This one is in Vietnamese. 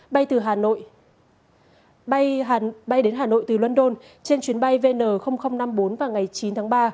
bay đến hà nội từ london trên chuyến bay vn năm mươi bốn vào ngày chín tháng ba